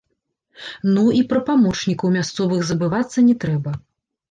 Ну, і пра памочнікаў мясцовых забывацца не трэба.